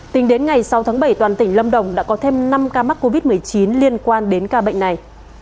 tính đến ngày sáu tháng bảy toàn tỉnh lâm đồng đã có thêm năm ca mắc covid một mươi chín liên quan đến ca bệnh này